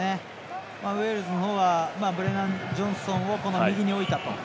ウェールズの方はブレナン・ジョンソンを右の方に置いたと。